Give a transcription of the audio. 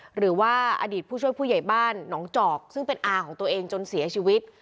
หรือว่าอดีตผู้ช่วยผู้ใหญ่บ้านหนองจอกซึ่งเป็นอาของตัวเองจนเสียชีวิต